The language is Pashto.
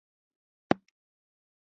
د تلوین یا رنګولو عملیه په لاندې ډول ده.